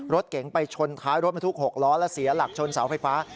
รถเก๋งไปชนท้ายรถบรรทุก๖ล้อและเสียหลักชนเสาไฟฟ้า